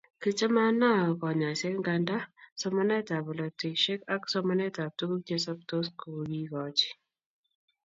Kichomei Anao konyoiset nganda somanetab polatosiek ak somanetab tuguk che soptos kokiikoch